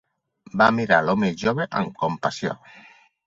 Va mirar a l'home jove amb compassió.